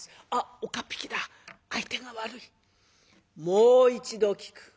「もう一度聞く。